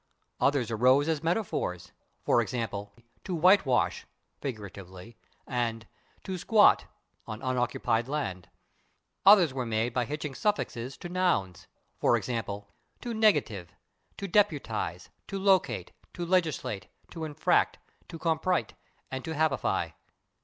Others arose as metaphors, /e. g./, /to whitewash/ (figuratively) and /to squat/ (on unoccupied land). Others were made by hitching suffixes to nouns, /e. g./, /to negative/, /to deputize/, /to locate/, /to legislate/, /to infract/, /to compromit/ and /to happify